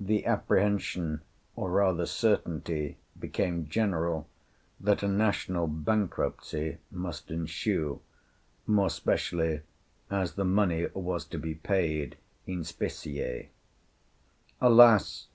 The apprehension, or rather certainty, became general that a national bankruptcy must ensue, more especially as the money was to be paid in specie. "Alas!"